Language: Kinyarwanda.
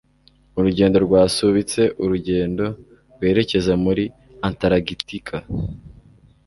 Urugendo rwasubitse urugendo rwerekeza muri Antaragitika.